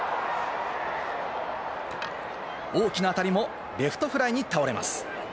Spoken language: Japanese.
大きな当たりもレフトフライに倒れます。